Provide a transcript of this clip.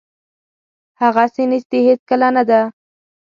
هغسې نیستي هیڅکله نه ده.